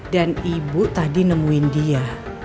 dan ibu tadi nemuin dia